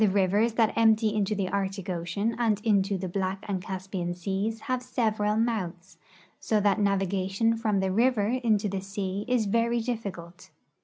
The rivers that emj)ty into the Arctic ocean and into the Black and Caspian seas have several mouths, so that navigation from the river into the sea is A'ery difficult.